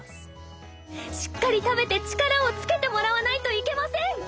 しっかり食べて力をつけてもらわないといけません！